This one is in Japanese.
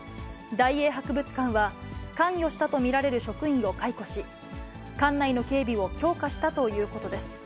大英博物館は、関与したと見られる職員を解雇し、館内の警備を強化したということです。